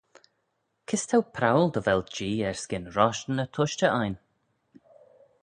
Kys t'ou prowal dy vel Jee erskyn roshtyn y tushtey ain?